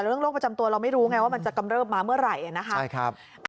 แต่เรื่องโรคประจำตัวเราไม่รู้ว่ามันจะกำเริบมาเมื่อไหร่